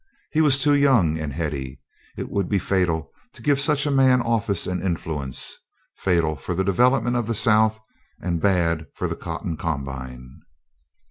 He was too young and heady. It would be fatal to give such a man office and influence; fatal for the development of the South, and bad for the Cotton Combine.